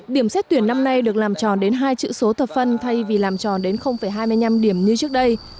điểm xét tuyển năm nay được làm tròn đến hai chữ số thập phân thay vì làm tròn đến hai mươi năm điểm như trước đây